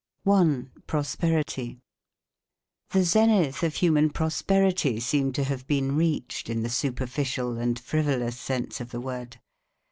I PROSPERITY The zenith of human prosperity seemed to have been reached in the superficial and frivolous sense of the word.